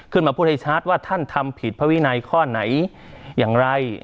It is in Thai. ขึ้นมาพูดให้ชัดว่าท่านทำผิดพระวินัยข้อไหนอย่างไร